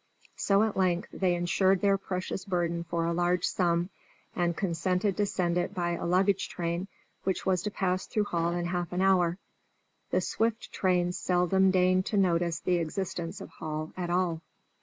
So at length they insured their precious burden for a large sum, and consented to send it by a luggage train which was to pass through Hall in half an hour. The swift trains seldom deign to notice the existence of Hall at all.